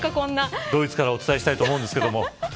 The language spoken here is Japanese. ドイツからお伝えしたいと思うんですけど。